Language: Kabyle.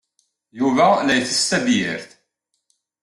Yuba la yettess tabyirt.